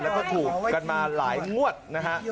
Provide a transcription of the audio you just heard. แล้วก็ถูกกันมาหลายงวดนะฮะ